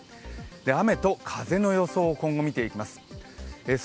雨と風の予想の今後を見ていきます。